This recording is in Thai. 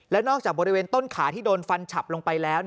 และนอกจากบริเวณต้นขาที่โดนฟันฉับลงไปแล้ว